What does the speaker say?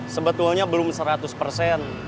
sebetulnya belum seratus persen